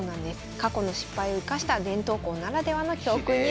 過去の失敗を生かした伝統校ならではの教訓になります。